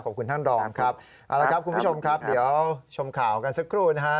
ขอบคุณท่านรองครับเอาละครับคุณผู้ชมครับเดี๋ยวชมข่าวกันสักครู่นะฮะ